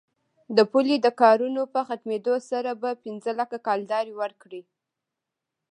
د پولې د کارونو په ختمېدلو سره به پنځه لکه کلدارې ورکړي.